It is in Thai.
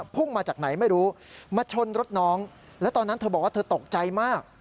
พุ่งมาจากไหนไม่รู้มาชนรถน้องแล้วตอนนั้นเธอบอกว่าเธอตกใจมาก